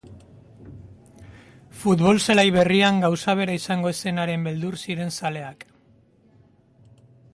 Futbol-zelai berrian gauza bera izango ez zenaren beldur ziren zaleak.